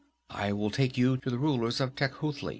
I will take you to the rulers of Tecuhltli."